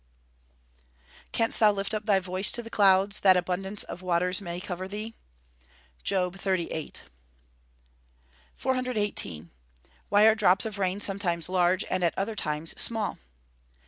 [Verse: "Canst thou lift up thy voice to the clouds, that abundance of waters may cover thee?" JOB XXXVIII.] 418. _Why are drops of rain sometimes large and at other times small?